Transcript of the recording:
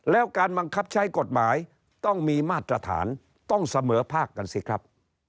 แล้วการบังคับใช้กฎหมายต้องมีมาตรฐานต้องเสมอภาคกันสิครับ